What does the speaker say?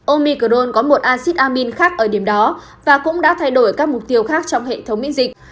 omicron có một acid abin khác ở điểm đó và cũng đã thay đổi các mục tiêu khác trong hệ thống miễn dịch